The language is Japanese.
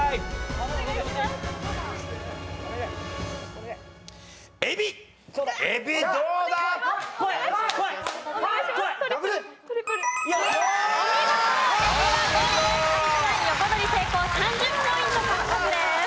有田ナイン横取り成功３０ポイント獲得です。